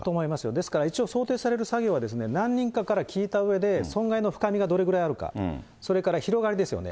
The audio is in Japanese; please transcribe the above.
ですから一応、想定される作業は何人かから聞いたうえで損害の深みがどれぐらいあるか、それから広がりですよね。